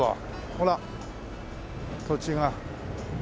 ほら土地が。